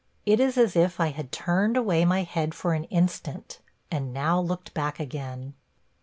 It is as if I had turned away my head for an instant, and now looked back again.